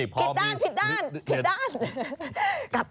พล่อมีพล่อมีเห็นแล้วหลายคน